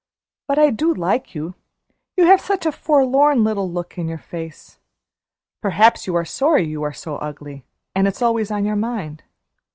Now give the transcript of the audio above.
But I do like you; you have such a forlorn little look in your face. Perhaps you are sorry you are so ugly, and it's always on your mind.